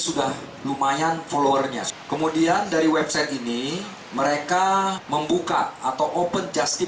sudah lumayan followernya kemudian dari website ini mereka membuka atau open justice